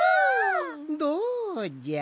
どうじゃ？